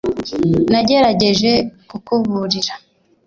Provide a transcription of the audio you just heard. nagerageje kukuburira